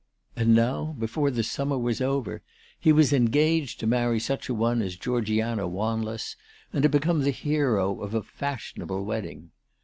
And now, before the summer was over, he was engaged to marry such a one as Georgiana Wanless and to become the hero of a fashionable wedding